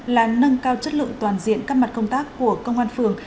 là nâng cao chất lượng toàn diện các mặt công tác của công an phường